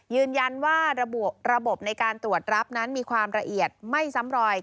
ยืนยันว่าระบบในการตรวจรับนั้นมีความละเอียดไม่ซ้ำรอย